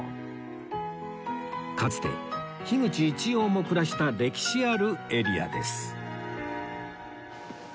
かつて口一葉も暮らした歴史あるエリアです